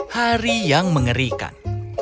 hari yang mengerikan